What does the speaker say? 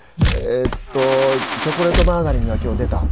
えっとチョコレートマーガリンが今日出た」